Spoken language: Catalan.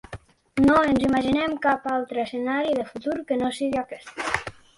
No ens imaginem cap altre escenari de futur que no sigui aquest.